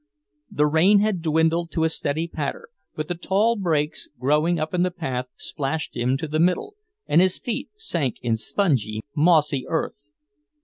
The rain had dwindled to a steady patter, but the tall brakes growing up in the path splashed him to the middle, and his feet sank in spongy, mossy earth.